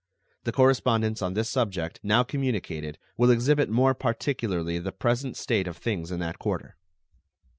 The correspondence on this subject now communicated will exhibit more particularly the present state of things in that quarter.